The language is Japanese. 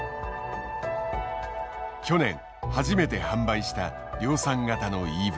去年初めて販売した量産型のＥＶ。